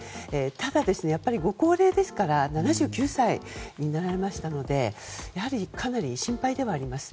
ただ、ご高齢ですから７９歳になられましたのでかなり心配ではあります。